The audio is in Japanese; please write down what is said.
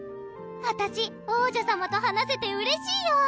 あたし王女さまと話せてうれしいよ